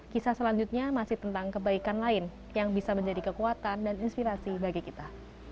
kisah selanjutnya masih tentang kebaikan lain yang bisa menjadi kekuatan dan inspirasi bagi kita